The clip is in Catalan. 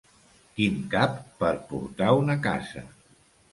Quin cap per portar una casa!